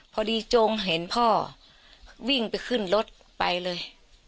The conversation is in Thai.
จงเห็นพ่อวิ่งไปขึ้นรถไปเลย